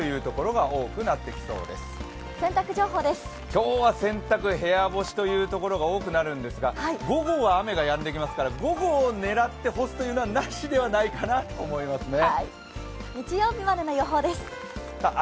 今日は洗濯、部屋干しというところが多くなりますが午後は雨がやんできますから午後を狙って干すというのはなしではないかと思いますね。